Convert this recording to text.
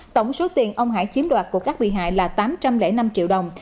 tổng số tiền ông hải chiếm đoạt của các bị hại là tám trăm linh năm triệu đồng